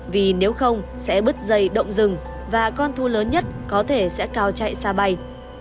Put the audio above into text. vì nếu không sẽ bứt dây động rừng và con thu lớn nhất có thể sẽ cao chạy xa bay